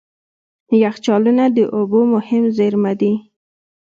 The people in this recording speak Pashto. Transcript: یخچالونه د اوبو مهم زیرمه دي.